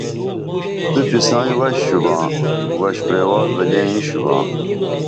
تُپی سائیں وش شُباں وش پریوال بہ لئیں شُباں